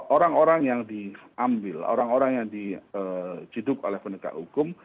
orang orang yang diambil orang orang yang diciduk oleh penegak hukum